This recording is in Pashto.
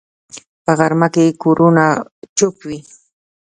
په غرمه کې کورونه چوپ وي